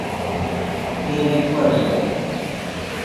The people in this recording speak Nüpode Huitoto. Irai kuaride.